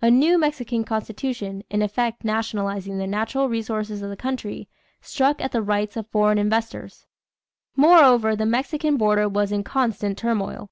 A new Mexican constitution, in effect nationalizing the natural resources of the country, struck at the rights of foreign investors. Moreover the Mexican border was in constant turmoil.